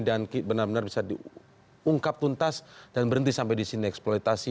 dan benar benar bisa diungkap tuntas dan berhenti sampai di sini eksploitasi